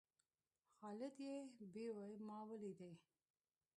خالد چې بېوى؛ ما وليدئ.